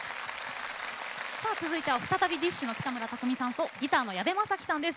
さあ続いては再びＤＩＳＨ／／の北村匠海さんとギターの矢部昌暉さんです。